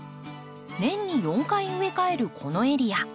年に４回植え替えるこのエリア。